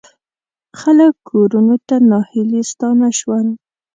خلک کورونو ته ناهیلي ستانه شول.